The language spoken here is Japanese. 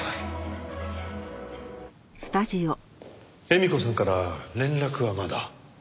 絵美子さんから連絡はまだ？